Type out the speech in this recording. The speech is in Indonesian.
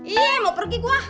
iya mau pergi gua